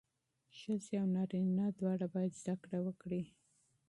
ښځې او نارینه دواړه باید زدهکړه وکړي.